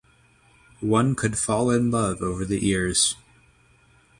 One could fall in love over the ears.